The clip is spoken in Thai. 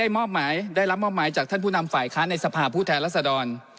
มอบหมายได้รับมอบหมายจากท่านผู้นำฝ่ายค้านในสภาพผู้แทนรัศดร